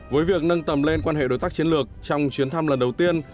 với việc nâng tầm lên quan hệ đối tác chiến lược trong chuyến thăm lần đầu tiên